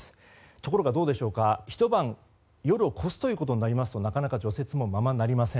ところが、どうでしょうかひと晩夜を超すことになりますとなかなか除雪もままなりません。